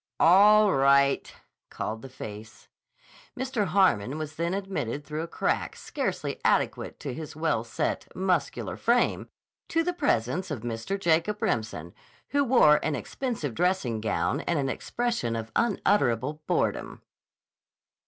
"All right," called the face. Mr. Harmon was then admitted through a crack scarcely adequate to his well set, muscular frame, to the presence of Mr. Jacob Remsen, who wore an expensive dressing gown and an expression of unutterable boredom.